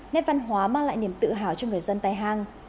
nét văn hóa mang lại niềm tự hào cho người dân tai hang